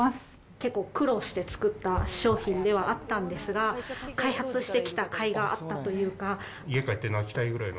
結構、苦労して作った商品ではあったんですが、開発してきたかいがあっ家帰って、泣きたいぐらいの。